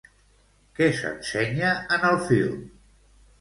Què s'ensenya en el film?